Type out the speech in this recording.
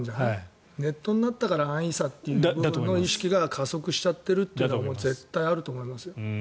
ネットになったから安易さという意識が加速しちゃっているのは絶対あると思います。